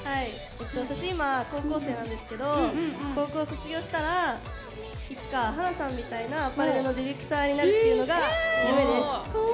今、高校生なんですけど高校卒業したらいつかは華さんみたいなアパレルのディレクターになるっていうのが夢です。